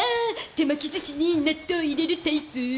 手巻き寿司に納豆入れるタイプ？